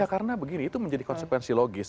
karena begini itu menjadi konsekuensi logis